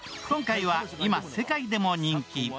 今回は今、世界でも人気。